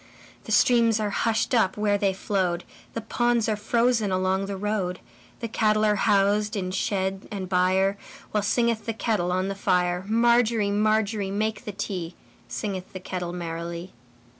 The streams are hushed up where they flowed, The ponds are frozen along the road, The cattle are housed in shed and byreWhile singeth the kettle on the fire. Margery, Margery, make the tea, Singeth the kettle merrily.